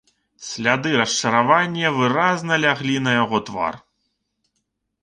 Сляды расчаравання выразна ляглі на яго твар.